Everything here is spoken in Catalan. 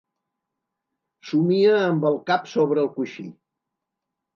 Somia amb el cap sobre el coixí.